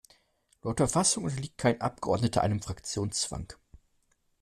Laut Verfassung unterliegt kein Abgeordneter einem Fraktionszwang.